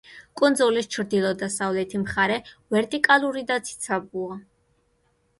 კუნძულის ჩრდილო-დასავლეთი მხარე ვერტიკალური და ციცაბოა.